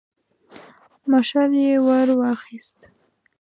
مشعل يې ور واخيست.